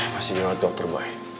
masih di ratu dr boy